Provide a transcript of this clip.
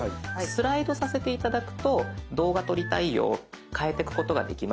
スライドさせて頂くと動画撮りたいよ変えてくことができますので。